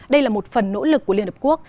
đây là một phần nỗ lực của liên hợp quốc